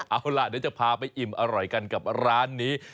เอาล่ะเดี๋ยวจะพาไปอิ่มอร่อยกันกับร้านนี้